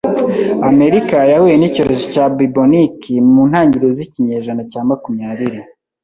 Amerika yahuye n'icyorezo cya Bubonic mu ntangiriro z'ikinyejana cya makumyabiri.